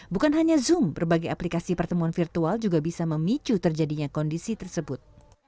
bukan hanya zoom berbagai aplikasi pertemuan virtual juga bisa memicu terjadinya kondisi tersebut